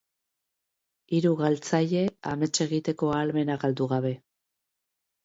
Hiru galtzaile, amets egiteko ahalmena galdu gabe.